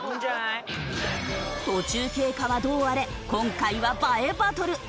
途中経過はどうあれ今回は映えバトル。